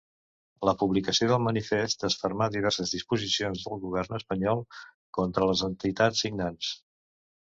La publicació del manifest desfermà diverses disposicions del govern espanyol contra les entitats signants.